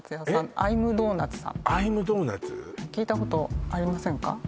さん聞いたことありませんか？